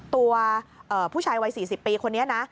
ตัวผู้ชายวัย๔๐ปีคนนี้นะ